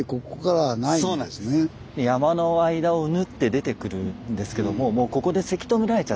山の間を縫って出てくるんですけどももうここでせき止められちゃって土砂が。